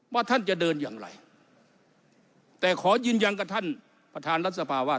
ท่านจะเดินอย่างไรแต่ขอยืนยันกับท่านประธานรัฐสภาว่า